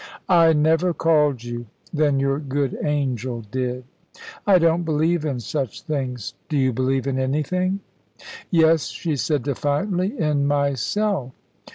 "I never called you." "Then your good angel did." "I don't believe in such things." "Do you believe in anything?" "Yes," she said defiantly "in myself."